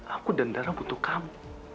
aku dan darah butuh kamu